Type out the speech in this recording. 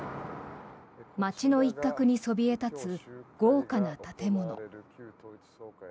街の一角にそびえ立つ豪華な建物。